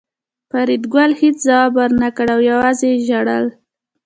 فریدګل هېڅ ځواب ورنکړ او یوازې یې ژړل